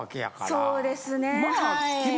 そうですね。